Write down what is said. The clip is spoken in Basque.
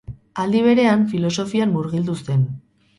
Aldi berean, filosofian murgildu zen.